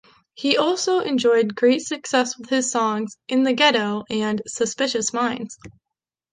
He also enjoyed great success with his songs "In the Ghetto" and "Suspicious Minds".